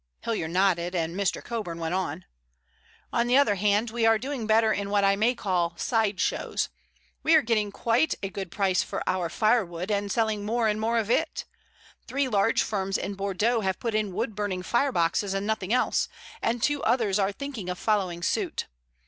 Hilliard nodded and Mr. Coburn went on: "On the other hand, we are doing better in what I may call 'sideshows.' We're getting quite a good price for our fire wood, and selling more and more of it. Three large firms in Bordeaux have put in wood burning fireboxes and nothing else, and two others are thinking of following suit.